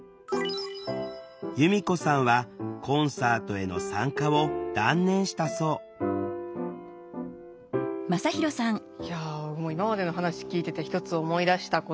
弓子さんはコンサートへの参加を断念したそういや今までの話聞いてて一つ思い出したことがあって。